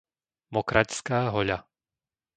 Mokraďská Hoľa